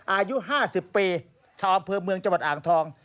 อายุ๕๐ปีชาวอำเภอเมืองจังหวัดอ่างทอง